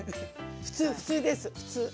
普通普通です普通。